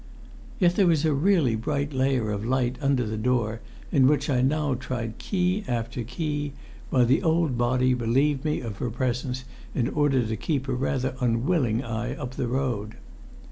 Yet there was a really bright layer of light under the door in which I now tried key after key, while the old body relieved me of her presence in order to keep a rather unwilling eye up the road.